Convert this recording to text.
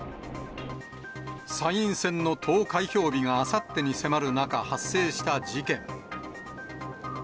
参院選の投開票日があさってに迫る中、発生した事件。